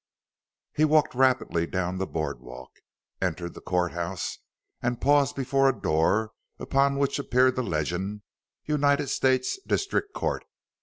He walked rapidly down the board walk, entered the courthouse, and paused before a door upon which appeared the legend: "United States District Court.